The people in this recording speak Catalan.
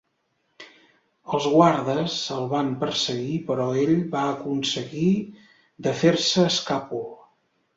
Els guardes el van perseguir, però ell va aconseguir de fer-se escàpol.